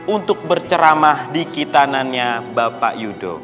untuk berceramah di kitanannya bapak yudo